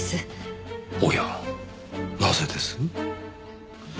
おやなぜです？